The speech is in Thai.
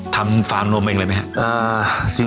ทำฟาร์มนมเองเลยมั้ยครับ